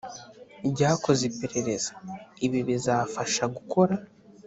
Ryakoze iperereza ibi bizafasha gukora